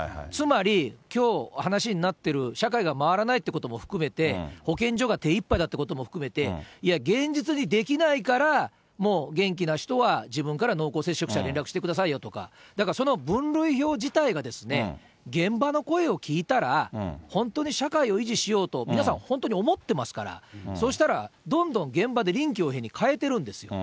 つまり、きょう話になってる、社会が回らないということも含めて、保健所が手いっぱいだということも含めて、いや、現実にできないからもう元気な人は自分から濃厚接触者、連絡してくださいよとか、その分類表自体が、現場の声を聞いたら、本当に社会を維持しようと、皆さん、本当に思ってますから、そうしたら、どんどん現場で臨機応変に変えてるんです。